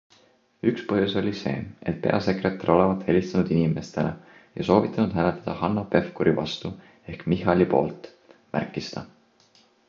Üks põhjus oli see, et peasekretär olevat helistanud inimestele ja soovitanud hääletada Hanno Pevkuri vastu ehk Michali poolt, märkis ta.